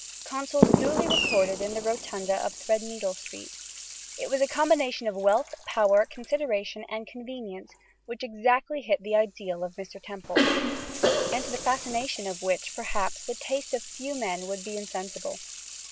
Consols duly recorded in the Rotunda of Threadneedle Street, it was a combination of wealth, power, consideration, and convenience which exactly hit the ideal of Mr. Temple, and to the fascination of which perhaps the taste of few men would be insensible.